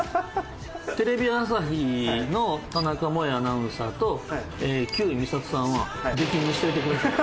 テレビ朝日の田中萌アナウンサーと休井美郷さんは出禁にしておいてください。